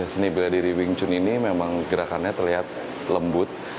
seni bela diri wing chun ini memang gerakannya terlihat lembut